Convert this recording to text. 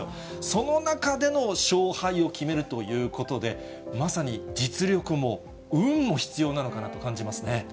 その中での勝敗を決めるということで、まさに実力も運も必要なのかなと感じますね。